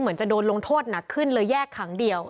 เหมือนจะโดนโลงโทษหนักขึ้นเลยแยกขังเดี่ยว